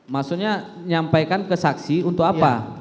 maksudnya nyampaikan ke saksi untuk apa